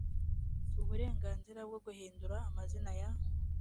uburenganzira bwo guhidura amazina ya